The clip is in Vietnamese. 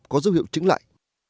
có dấu hiệu chứng lại